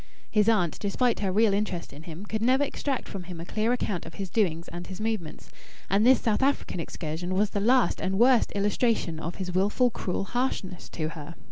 His aunt, despite her real interest in him, could never extract from him a clear account of his doings and his movements. And this South African excursion was the last and worst illustration of his wilful cruel harshness to her.